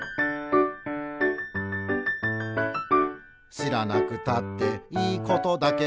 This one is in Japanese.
「しらなくたっていいことだけど」